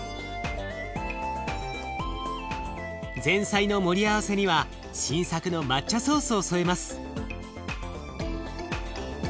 前菜の盛り合わせには新作の抹茶ソースを添えます。